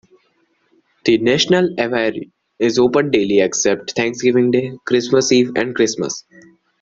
The National Aviary is open daily except Thanksgiving Day, Christmas Eve, and Christmas.